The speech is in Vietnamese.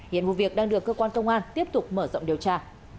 hiện vụ việc đang được cơ quan công an tiếp tục mở rộng điều tra